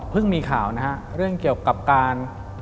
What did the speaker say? มีข่าวนะฮะเรื่องเกี่ยวกับการ